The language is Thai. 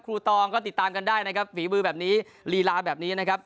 ตองก็ติดตามกันได้นะครับฝีมือแบบนี้ลีลาแบบนี้นะครับ